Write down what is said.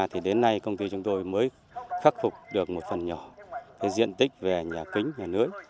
thì chúng tôi mới khắc phục được một phần nhỏ cái diện tích về nhà kính nhà nưỡi